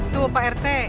tuh pak rt